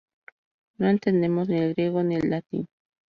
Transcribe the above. No entendemos ni el griego ni el latín.